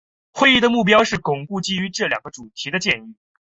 会议的目标是巩固基于这两个主题的建议。